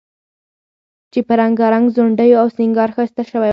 چې په رنګارنګ ځونډیو او سینګار ښایسته شوی و،